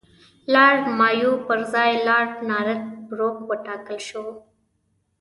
لارډ مایو پر ځای لارډ نارت بروک وټاکل شو.